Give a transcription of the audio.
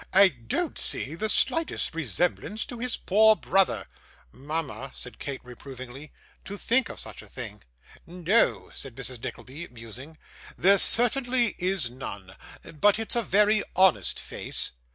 'I don't see the slightest resemblance to his poor brother.' 'Mama!' said Kate reprovingly. 'To think of such a thing!' 'No,' said Mrs. Nickleby, musing. 'There certainly is none. But it's a very honest face.